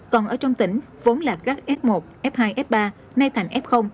còn ở trong tỉnh vốn là g f một f hai f ba nay thành f